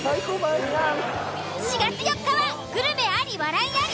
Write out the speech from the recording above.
４月４日はグルメあり笑いあり。